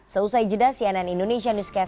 seusai jeda cnn indonesia newscast